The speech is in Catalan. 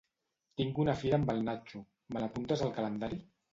Tinc una fira amb el Natxo; me l'apuntes al calendari?